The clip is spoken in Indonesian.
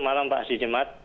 malam pak asy jemat